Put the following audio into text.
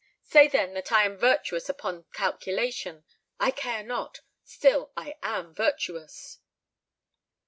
Say then that I am virtuous upon calculation—I care not: still I am virtuous!"